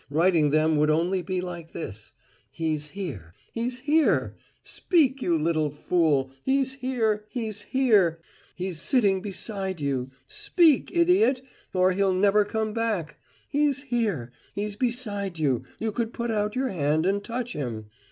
Writing them would only be like this: `He's here, he's here! Speak, you little fool! He's here, he's here! He's sitting beside you! speak, idiot, or he'll never come back! He's here, he's beside you you could put out your hand and touch him!